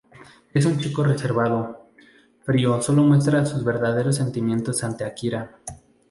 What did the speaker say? Es un chico reservado, frío solo muestras sus verdaderos sentimiento ante Akira.